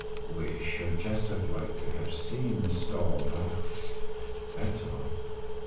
We should just have liked to have seen the stallëd ox, that's all.